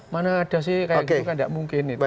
mana ada sih kayak gitu kan nggak mungkin itu